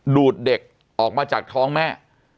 ดูดเด็กออกมาจากท้องแม่